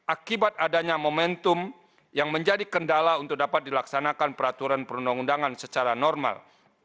akibat adanya momentum yang menjadi kendala untuk dapat dilaksanakan peraturan perundang undangan secara normal